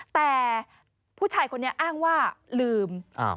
แต่ผู้ชายคนนี้อ้างว่าลืม